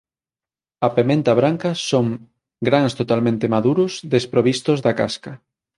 A pementa branca son grans totalmente maduros desprovistos da casca.